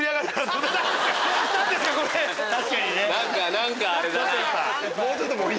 何かあれだな。